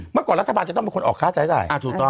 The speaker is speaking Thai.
เมื่อก่อนรัฐบาลจะต้องเป็นคนออกค่าจ่าย